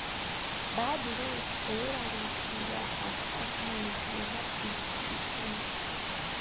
Badru nti teyeralikirira ajja kumuyigiriza pikipiki.